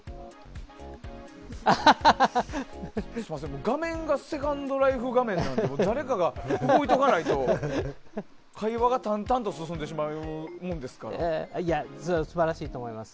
すみません、画面がセカンドライフ画面なので誰かが動いておかないと会話が淡々と進んでしまうものですから。素晴らしいと思います。